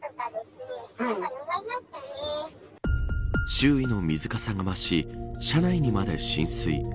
周囲の水かさが増し車内にまで浸水。